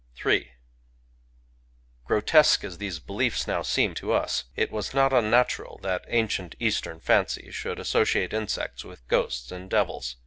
Ill Grotesque as these beliefs now seem to us, it was not unnatural that ancient Eastern fancy should associate insects with ghosts and devils.